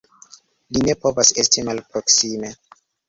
Li ne povas esti malproksime!